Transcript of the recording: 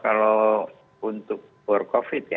kalau untuk war covid ya